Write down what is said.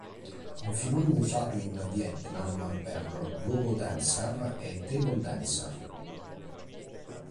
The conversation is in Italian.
Un sinonimo usato in Vietnam per go-go dancer è table dancer.